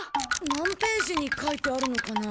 何ページに書いてあるのかな？